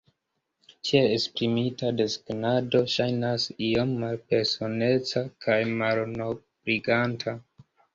Tiel esprimita, desegnado ŝajnas iom malpersoneca kaj malnobliganta.